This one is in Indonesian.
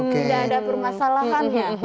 tidak ada permasalahannya